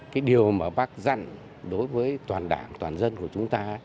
cái điều mà bác dặn đối với toàn đảng toàn dân của chúng ta